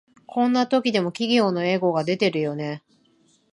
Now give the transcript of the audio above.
こんな時でも企業のエゴが出てるよね